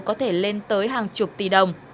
có thể lên tới hàng chục tỷ đồng